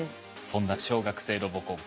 そんな小学生ロボコン